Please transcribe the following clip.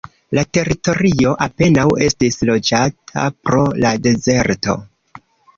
La teritorio apenaŭ estis loĝata pro la dezerto.